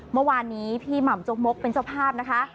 เมื่อวานนี้พี่หม่ำจกมกเป็นเจ้าภาพนะคะ